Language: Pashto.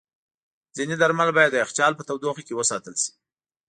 ځینې درمل باید د یخچال په تودوخه کې وساتل شي.